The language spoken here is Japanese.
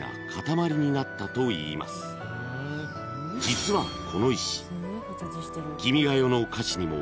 ［実はこの石］